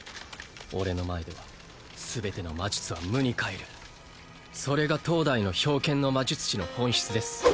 俺の前では全ての魔術は無にかえるそれが当代の冰剣の魔術師の本質です